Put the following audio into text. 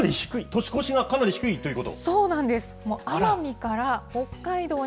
年越しが、かなり低いということ？